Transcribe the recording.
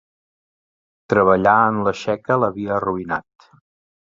Treballar en la Txeca l'havia arruïnat.